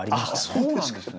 そうなんですね。